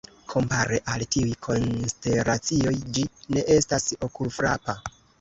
Kompare al tiuj konstelacioj ĝi ne estas okulfrapa.